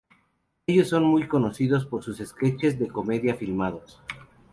Ellos son muy conocidos por sus sketches de comedia filmados.